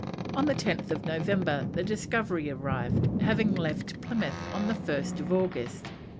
On the 10th November the Discovery arrived, having left Plymouth on 1st August.